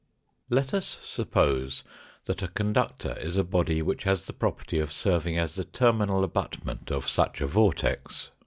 Let us suppose that a conductor is a body which has the property of serving as the terminal abutment of such a vortex.